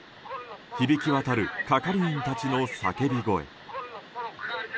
響き渡る係員たちの叫び声。